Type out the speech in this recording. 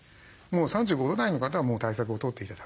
３５度台の方はもう対策をとって頂く。